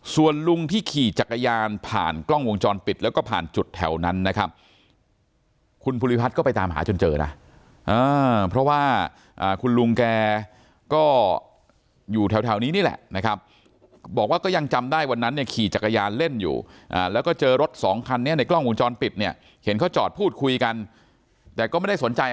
ส่วนลุงที่ขี่จักรยานผ่านกล้องวงจรปิดแล้วก็ผ่านจุดแถวนั้นนะครับคุณภูริพัฒน์ก็ไปตามหาจนเจอนะเพราะว่าคุณลุงแกก็อยู่แถวนี้นี่แหละนะครับบอกว่าก็ยังจำได้วันนั้นเนี่ยขี่จักรยานเล่นอยู่แล้วก็เจอรถสองคันนี้ในกล้องวงจรปิดเนี่ยเห็นเขาจอดพูดคุยกันแต่ก็ไม่ได้สนใจ